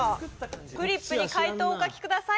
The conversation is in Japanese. フリップに解答をお書きください